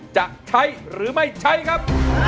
จะใช้หรือไม่ใช้ครับ